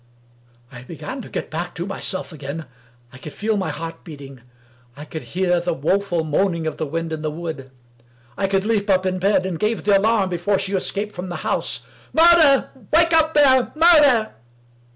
I began to get back to myself again. I could feel my heart beating; I could hear the woeful moaning of the wind in the wood; I could leap up in bed, and give the alarm before she escaped from the house. " Murder ! Wake up there ! Murder